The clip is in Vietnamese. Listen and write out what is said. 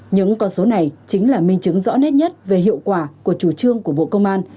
những con số này chính là minh chứng rõ nét nhất về hiệu quả của chủ trương của bộ công an